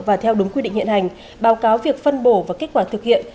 và theo đúng quy định hiện hành báo cáo việc phân bổ và kết quả thực hiện